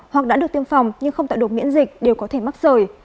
hoặc đã được tiêm phòng nhưng không tạo đột miễn dịch đều có thể mắc sởi